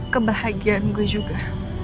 kebahagiaan gue juga